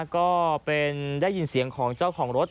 ก็เป็นได้ยินเสียงของเจ้าของรถ